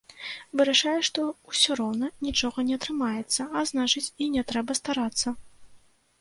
Вырашае, што ўсё роўна нічога не атрымаецца, а значыць, і не трэба старацца.